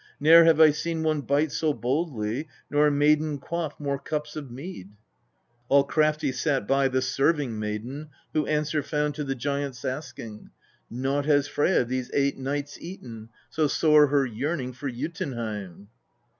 Ne'er have I seen one bite so boldly, nor a maiden quaff more cups of mead !' 26. All crafty sat by the serving maiden, who answer found to the giant's asking :' Nought has Freyja these eight nights eaten, so sore her yearning for Jotunheim.'